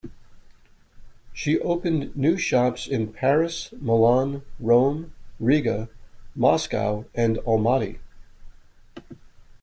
She opened new shops in Paris, Milan, Rome, Riga, Moscow and Almaty.